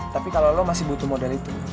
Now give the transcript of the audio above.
tapi kalau lo masih butuh model itu